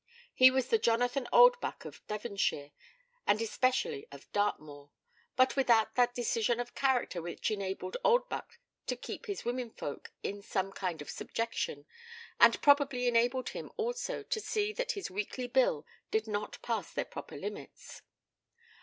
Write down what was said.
He was the Jonathan Oldbuck of Devonshire, and especially of Dartmoor, but without that decision of character which enabled Oldbuck to keep his womenkind in some kind of subjection, and probably enabled him also to see that his weekly bill did not pass their proper limits.